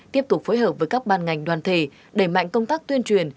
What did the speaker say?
tiếp tục phối hợp với các ban ngành đoàn thể đẩy mạnh công tác tuyên truyền